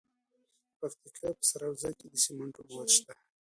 د پکتیکا په سروضه کې د سمنټو مواد شته.